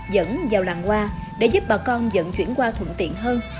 dẫn vào làng hoa để giúp bà con dẫn chuyển qua thuận tiện hơn